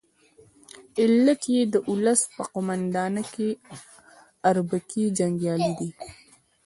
علت یې د ولس په قومانده کې اربکي جنګیالي دي.